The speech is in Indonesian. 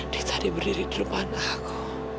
dia tadi berdiri di depan aku